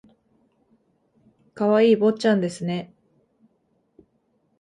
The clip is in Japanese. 可愛い坊ちゃんですね